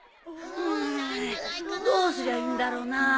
んどうすりゃいいんだろうな。